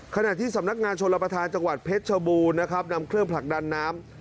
ขณะที่สำนักงานชนรปฐานจังหวัดเพชรชะบูนำเครื่องผลักดันน้ำ